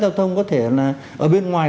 giao thông có thể là ở bên ngoài